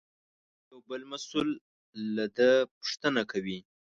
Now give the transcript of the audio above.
یو بل مسوول له ده پوښتنه کوي.